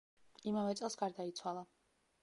იმავე წელს გარდაიცვალა.